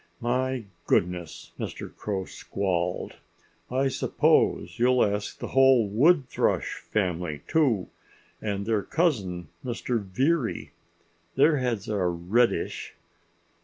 "My goodness!" Mr. Crow squalled. "I suppose you'll ask the whole Wood Thrush family too—and their cousin Mr. Veery. Their heads are reddish."